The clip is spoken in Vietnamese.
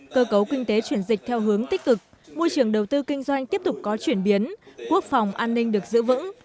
cơ cấu kinh tế chuyển dịch theo hướng tích cực môi trường đầu tư kinh doanh tiếp tục có chuyển biến quốc phòng an ninh được giữ vững